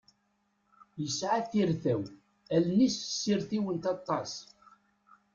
Yesɛa tirtaw, allen-is ssirtiwent aṭas.